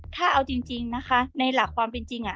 ถ้าเอาจริงนะคะในหลักความเป็นจริง